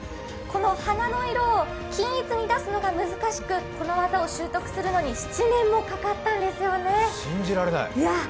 この花の色を均一に出すのが難しく、この技を習得するのに７年もかかったんですよね。